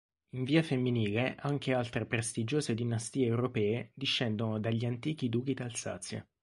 In via femminile anche altre prestigiose dinastie europee discendono dagli antichi duchi d'Alsazia.